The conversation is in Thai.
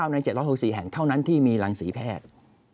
ใน๗๖๔แห่งเท่านั้นที่มีรังศรีแพทย์